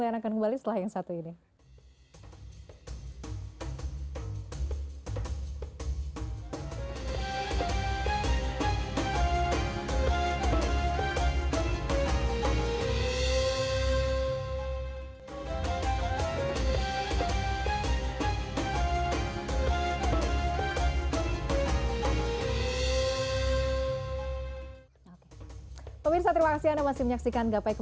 nanti kita bahas ya pak geya